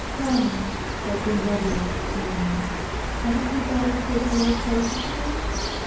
"Come," said Genzaburô, smiling, "hadn't you better sit a little closer to me?"